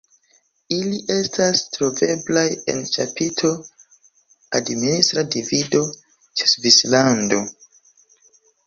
Ili estas troveblaj en ĉapitro "Administra divido" ĉe "Svislando".